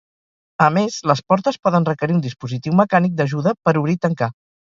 A més, les portes poden requerir un dispositiu mecànic d'ajuda per obrir i tancar.